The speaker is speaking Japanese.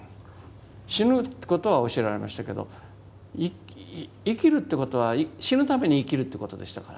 死ぬってことは教えられましたけど生きるってことは死ぬために生きるってことでしたから。